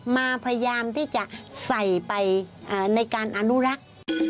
มาพยายามที่จะใส่ไปในการอนุรักษ์